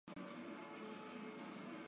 电影的配乐由魔比负责制作。